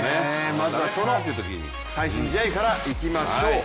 まずはその最新試合からいきましょう。